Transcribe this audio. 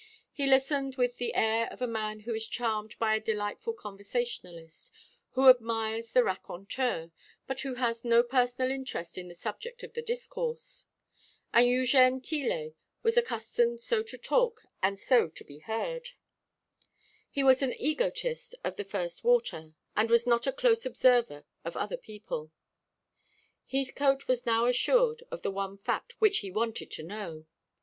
He listened with the air of a man who is charmed by a delightful conversationalist, who admires the raconteur, but who has no personal interest in the subject of the discourse. And Eugène Tillet was accustomed so to talk and so to be heard. He was an egotist of the first water, and was not a close observer of other people. Heathcote was now assured of the one fact which he wanted to know.